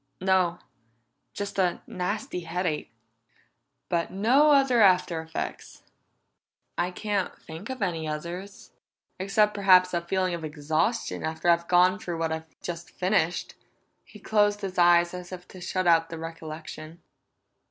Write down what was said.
"No. Just a nasty headache." "But no other after effects?" "I can't think of any others. Except, perhaps, a feeling of exhaustion after I've gone through what I've just finished." He closed his eyes as if to shut out the recollection.